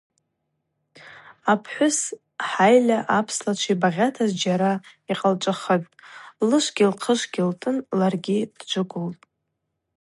Апхӏвыс хӏайльа апслачвагьи багъьата зджьара йкъалчӏвахытӏ, лышвгьи лхъышвгьи лтӏын ларгьи дджвыквылтӏ.